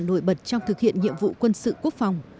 nổi bật trong thực hiện nhiệm vụ quân sự quốc phòng